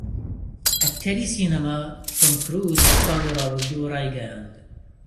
ئەکتەری سینەما تۆم کرووز ساڵی ڕابردوو ڕایگەیاند